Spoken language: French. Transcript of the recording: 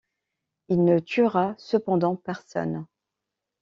Il ne tuera cependant personne.